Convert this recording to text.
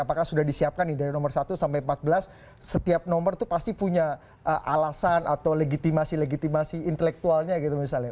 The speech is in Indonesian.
apakah sudah disiapkan nih dari nomor satu sampai empat belas setiap nomor itu pasti punya alasan atau legitimasi legitimasi intelektualnya gitu misalnya